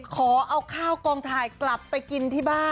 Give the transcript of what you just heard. ขอเอาข้าวกองถ่ายกลับไปกินที่บ้าน